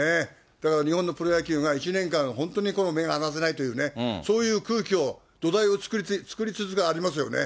だから日本のプロ野球が１年間、本当に目が離せないというね、そういう空気を、土台を作りつつありますよね。